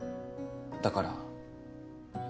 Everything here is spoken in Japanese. だから。